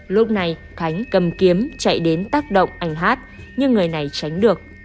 lúc này khánh cầm kiếm chạy đến tác động anh hát nhưng người này tránh được